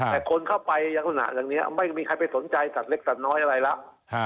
แต่คนเข้าไปลักษณะอย่างนี้ไม่มีใครไปสนใจสัตว์เล็กสัตว์น้อยอะไรแล้ว